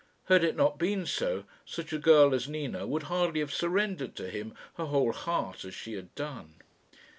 Had it not been so, such a girl as Nina would hardly have surrendered to him her whole heart as she had done.